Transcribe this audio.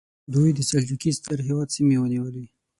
دوی د سلجوقي ستر هېواد سیمې ونیولې.